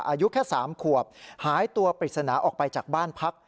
อายุแค่๓ขวบหายตัวปริศนาออกไปจากบ้านพัก